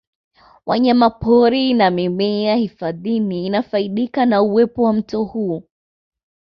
Wanyamapori na mimea hifadhini inafaidika na uwepo wa mto huu